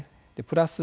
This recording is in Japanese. プラス